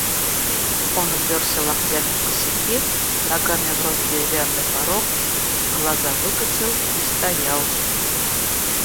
Он упёрся локтями в косяки, ногами врос в деревянный порог, глаза выкатил и стоял.